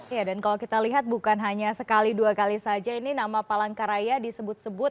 ya dan kalau kita lihat bukan hanya sekali dua kali saja ini nama palangkaraya disebut sebut